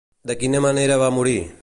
De quina manera va morir?